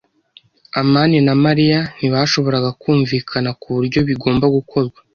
amani na Mariya ntibashoboraga kumvikana kuburyo bigomba gukorwa.